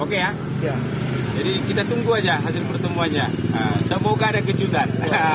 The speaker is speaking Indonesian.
oke ya jadi kita tunggu aja hasil pertemuannya semoga ada kejutan